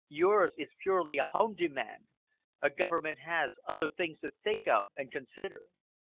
Yours is purely a home demand. A government has other things to think of and consider."